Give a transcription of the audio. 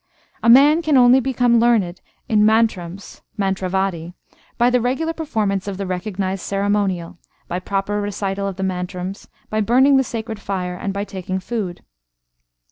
A man can only become learned in mantrams (mantravadi) by the regular performance of the recognised ceremonial, by proper recital of the mantrams, by burning the sacred fire, and by taking food.